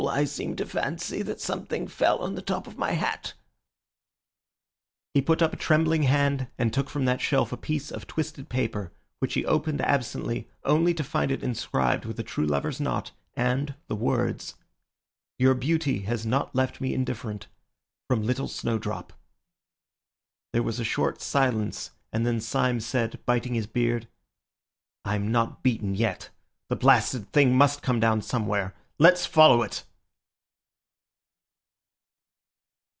I seemed to fancy that something fell on the top of my hat!" He put up a trembling hand and took from that shelf a piece of twisted paper, which he opened absently only to find it inscribed with a true lover's knot and, the words:— "Your beauty has not left me indifferent.—From LITTLE SNOWDROP." There was a short silence, and then Syme said, biting his beard— "I'm not beaten yet. The blasted thing must come down somewhere. Let's follow it!"